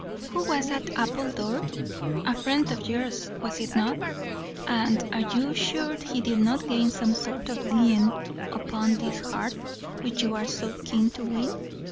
Who was at Appledore? a friend of yours, was it not? and are you sure he did not gain some sort of lien upon this heart which you are so keen to win?